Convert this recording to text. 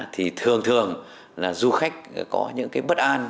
thì thường thường là du khách có những cái bất an